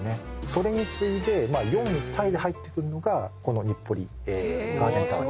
それに次いで４位タイで入ってくるのがこの日暮里ガーデンタワーチャンスセンターさんなんです。